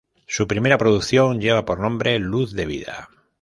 Su primera producción lleva por nombre Luz de Vida.